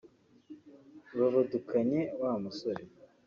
bavudukanye wa musore